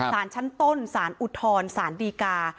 สารชั้นต้นสารอุทธรสารดีกา